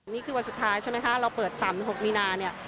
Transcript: นี่คือวันสุดท้ายใช่ไหมคะเราเปิด๓๖มีนาเนี่ย